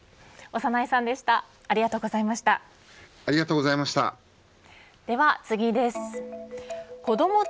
長内さんでした。